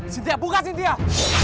sitiah buka sitiah